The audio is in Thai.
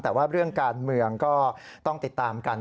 แต่ว่าเรื่องการเมืองก็ต้องติดตามกัน